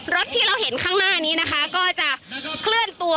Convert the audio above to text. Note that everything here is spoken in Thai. รถที่เราเห็นข้างหน้านี้นะคะก็จะเคลื่อนตัว